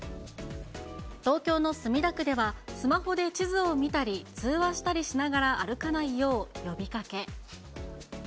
東京の墨田区では、スマホで地図を見たり、通話したりしながら歩かないよう呼びかけ。